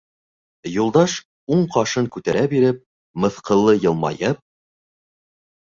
Юлдаш, уң ҡашын күтәрә биреп, мыҫҡыллы йылмайып: